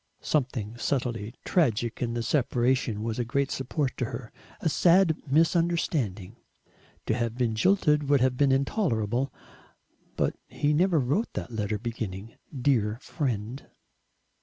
Something subtly tragic in the separation was a great support to her, a sad misunderstanding. To have been jilted would have been intolerable. But he never wrote that letter beginning "Dear Friend."